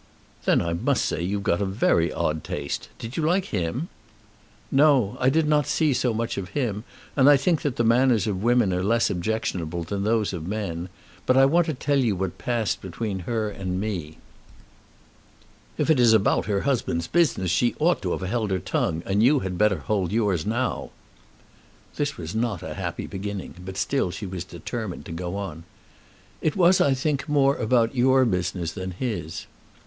"Then I must say you've got a very odd taste. Did you like him?" "No. I did not see so much of him, and I think that the manners of women are less objectionable than those of men. But I want to tell you what passed between her and me." "If it is about her husband's business she ought to have held her tongue, and you had better hold yours now." This was not a happy beginning, but still she was determined to go on. "It was I think more about your business than his."